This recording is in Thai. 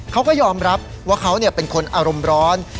เขาก็ยอมรับว่าเขาเป็นคนอารมณ์ร้อน